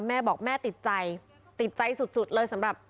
แม่บอกแม่ติดใจติดใจสุดเลยสำหรับ